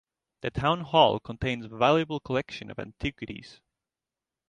The town hall contains a valuable collection of antiquities.